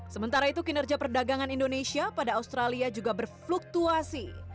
sementara itu kinerja perdagangan indonesia pada australia juga berfluktuasi